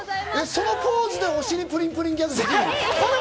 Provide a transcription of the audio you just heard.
そのポーズでおしりプリンプリンギャグできるの？